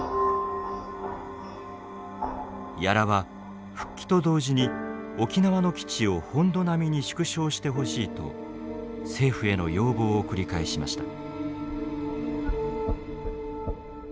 屋良は復帰と同時に沖縄の基地を「本土並み」に縮小してほしいと政府への要望を繰り返しました。